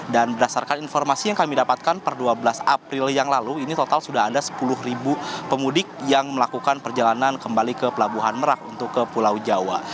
dan berdasarkan informasi yang kami dapatkan per dua belas april yang lalu ini total sudah ada sepuluh ribu pemudik yang melakukan perjalanan kembali ke pelabuhan merak untuk ke pulau jawa